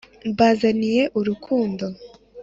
mbazaniye urukundo